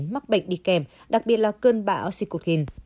mắc bệnh đi kèm đặc biệt là cơn bão sikutin